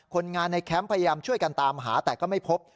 คนงานในแคมป์พยายามช่วยกันตามหาแต่ก็ไม่พบ